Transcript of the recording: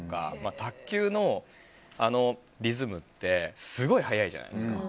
卓球の、あのリズムってすごい早いじゃないですか。